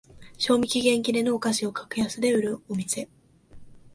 賞味期限切れのお菓子を格安で売るお店